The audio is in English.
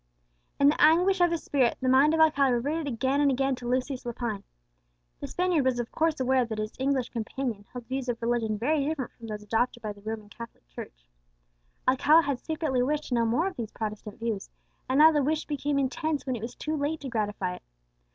In the anguish of his spirit the mind of Alcala reverted again and again to Lucius Lepine. The Spaniard was of course aware that his English companion held views of religion very different from those adopted by the Roman Catholic Church. Alcala had secretly wished to know more of these Protestant views, and now the wish became intense when it was too late to gratify it.